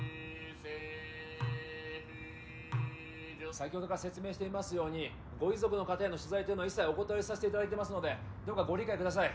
先ほどから説明していますようにご遺族の方への取材というのは一切お断りさせていただいてますのでどうかご理解ください。